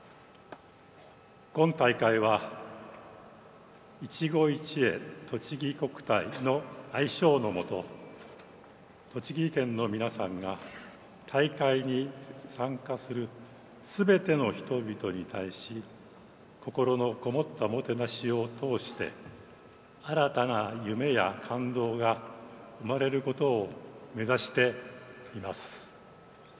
今大会は「いちご一会とちぎ国体」の愛称のもと栃木県の皆さんが大会に参加するすべての人々に対し心のこもったおもてなしをとおして新たな夢や感動が生まれることを目指しています。